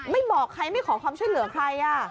บอกใครไม่ขอความช่วยเหลือใคร